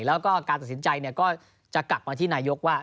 แล้วก็การตัดสินใจก็จะกลับมาที่นายกว่า